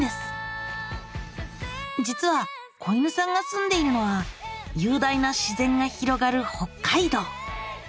実は子犬さんが住んでいるのはゆう大な自然が広がる北海道。